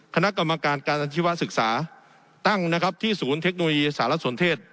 คณะกรรมการการอาชีวศึกษาตั้งนะครับที่ศูนย์เทคโนโลยีสารสนเทศ